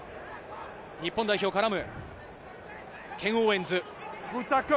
日本代表、絡む。